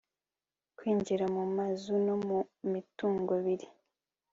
kwinjira mu mazu no mu mitungo biri